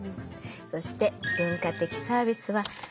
そして文化的サービスはレジャー